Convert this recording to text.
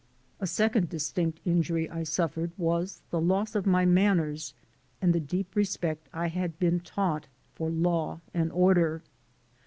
A second distinct injury I suffered was the loss of my manners and the deep respect I had been taught for law and order.